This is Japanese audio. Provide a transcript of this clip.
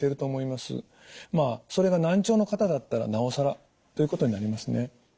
まあそれが難聴の方だったらなおさらということになりますね。